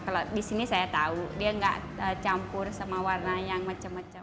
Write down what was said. kalau di sini saya tahu dia nggak campur sama warna yang macam macam